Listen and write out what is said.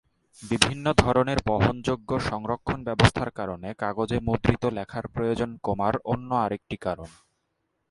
বিভিন্ন ধরনের বহনযোগ্য সংরক্ষন ব্যবস্থার কারণে কাগজে মুদ্রিত লেখার প্রয়োজন কমার অন্য আরেকটি কারণ।